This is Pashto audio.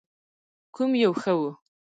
کوم یو ښه و؟